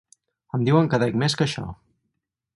Em diuen que dec més que això.